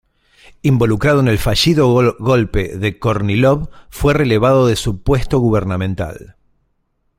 Involucrado en el fallido golpe de Kornílov, fue relevado de su puesto gubernamental.